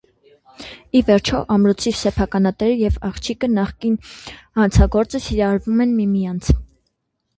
Ի վերջո, ամրոցի սեփականատերը և աղջիկը (նախկին հանցագործը) սիրահարվում են միմյանց։